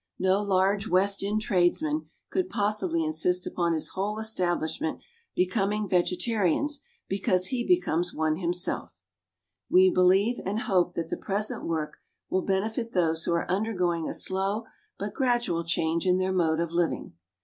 No large West End tradesman could possibly insist upon his whole establishment becoming vegetarians because he becomes one himself. We believe and hope that the present work will benefit those who are undergoing a slow but gradual change in their mode of living.